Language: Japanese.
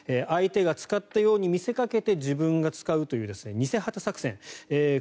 相手が使ったように見せかけて自分が使うという偽旗作戦